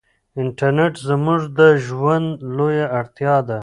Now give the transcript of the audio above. انټرنيټ زموږ د ژوند لویه اړتیا ده.